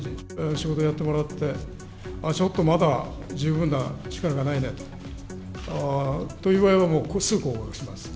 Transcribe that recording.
仕事やってもらって、ちょっとまだ十分な力がないねという場合は、もうこれすぐ降格します。